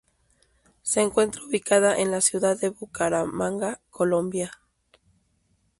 Se encuentra ubicada en la ciudad de Bucaramanga, Colombia.